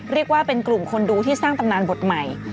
เรียกว่าเป็นกลุ่มคนดูที่สร้างตำนานบทใหม่